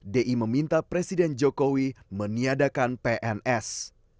di meminta presiden jokowi meniadakan pns